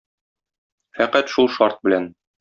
Фәкать шул шарт белән.